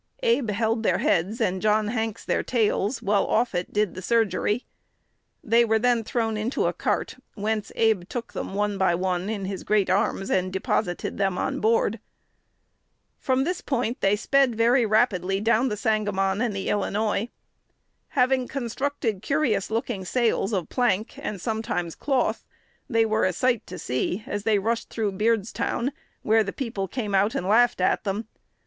Abe held their heads, and John Hanks their tails, while Offutt did the surgery. They were then thrown into a cart, whence Abe took them, one by one, in his great arms, and deposited them on board. [Illustration: Mr. Lincoln as a Flatboatman 108] From this point they sped very rapidly down the Sangamon and the Illinois. Having constructed curious looking sails of plank, "and sometimes cloth," they were a "sight to see," as they "rushed through Beardstown," where "the people came out and laughed at them."